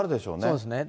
そうですね。